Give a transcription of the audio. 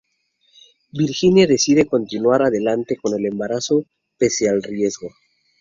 Virginia decide continuar adelante con el embarazo pese al riesgo.